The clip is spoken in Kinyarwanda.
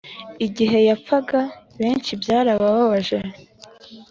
igihe t yapfaga benshi byarababaje